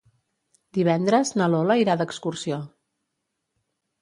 Divendres na Lola irà d'excursió.